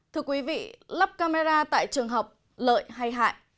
thưa quý vị lắp camera tại trường học lợi hay hại